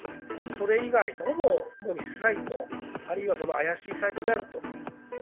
それ以外、ほぼ偽サイト、あるいは怪しいサイトであると。